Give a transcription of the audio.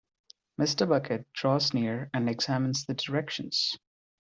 Mr. Bucket draws near and examines the directions.